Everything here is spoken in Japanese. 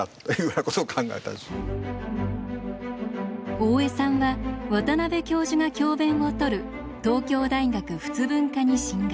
大江さんは渡辺教授が教べんをとる東京大学仏文科に進学。